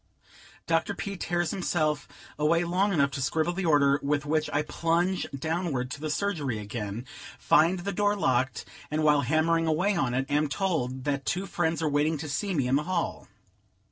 Dr. P. tears himself away long enough to scribble the order, with which I plunge downward to the surgery again, find the door locked, and, while hammering away on it, am told that two friends are waiting to see me in the hall.